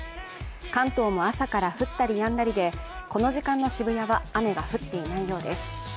関東も朝から降ったりやんだりでこの時間の渋谷は雨が降っていないようです。